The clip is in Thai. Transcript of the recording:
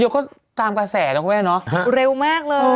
เขาเก่งนะ